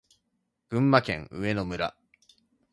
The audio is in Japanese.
群馬県上野村